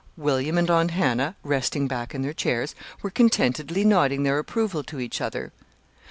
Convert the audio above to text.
William and Aunt Hannah, resting back in their chairs, were contentedly nodding their approval to each other.